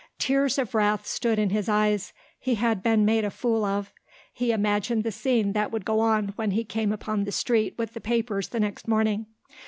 Tears of wrath stood in his eyes. He had been made a fool of. He imagined the scene that would go on when he came upon the street with the papers the next morning.